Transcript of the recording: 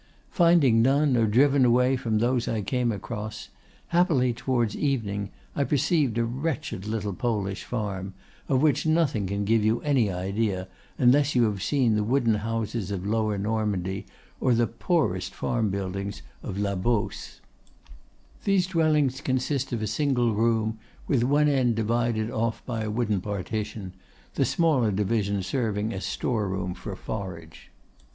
Finding none or driven away from those I came across, happily towards evening I perceived a wretched little Polish farm, of which nothing can give you any idea unless you have seen the wooden houses of Lower Normandy, or the poorest farm buildings of la Beauce. These dwellings consist of a single room, with one end divided off by a wooden partition, the smaller division serving as a store room for forage.